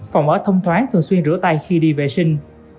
phòng ở thông thoáng thường xuyên rửa tay khi đi vệ sinh